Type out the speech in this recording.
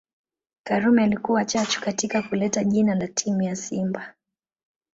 Karume alikuwa chachu katika kuleta jina la timu ya simba